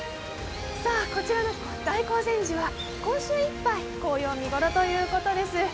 さあ、こちらの大興善寺は今週いっぱい紅葉、見頃ということです。